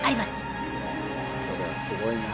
それはすごいな。